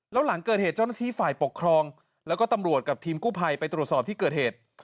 แล้วหลังเกิดเหตุเจ้าหน้าที่ฝ่ายปกครองแล้วก็ตำรวจกับทีมกู้ภัยไปตรวจสอบที่เกิดเหตุ